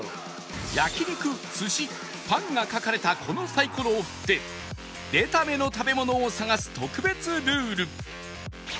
焼肉寿司パンが描かれたこのサイコロを振って出た目の食べ物を探す特別ルール